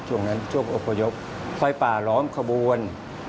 ช่วงนั้นช่วงอบพยพไฟป่าล้อมขบวน